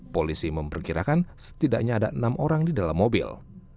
polisi memperkirakan setidaknya ada enam orang di dalam mobil